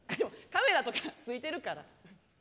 カメラとかついてるから！